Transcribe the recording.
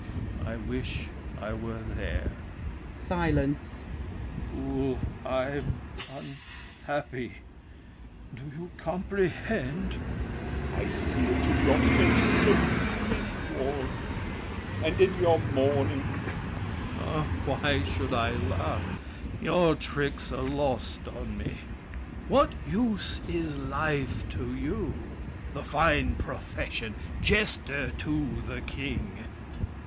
I wish I were there! [Silence. Fool, I'm unhappy! Do you comprehend? L'ANGELY. I see it in your face so thin and worn, And in your mourning— THE KING. Ah, why should I laugh? Your tricks are lost on me! What use is life To you? The fine profession! Jester to the King!